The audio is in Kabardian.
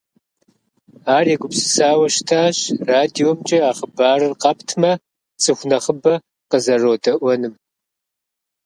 Ар егупсысауэ щытащ радиомкӏэ а хъыбарыр къэптмэ, цӏыху нэхъыбэ къызэродэӏуэнум.